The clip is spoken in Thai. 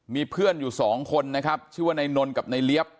มีเพื่อนอยู่สองคนนะครับชื่อว่านายนนกับในเลี้ยบ